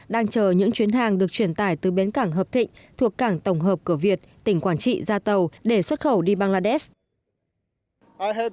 đang chờ những chuyến hàng được truyền tải từ bến cảng hợp thịnh thuộc cảng tổng hợp cửa việt tỉnh quảng trị ra tàu để xuất khẩu đi bangladesh